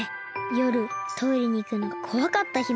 よるトイレにいくのがこわかった姫。